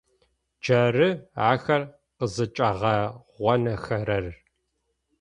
Джары ахэр къызыкӏагъэгъунэхэрэр.